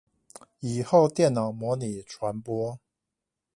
以後電腦模擬傳播